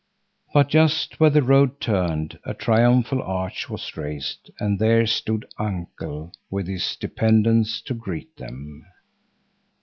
But just where the road turned, a triumphal arch was raised, and there stood Uncle with his dependents to greet them.